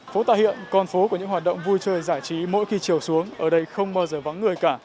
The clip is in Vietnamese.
phố tà hiện con phố của những hoạt động vui chơi giải trí mỗi khi chiều xuống ở đây không bao giờ vắng người cả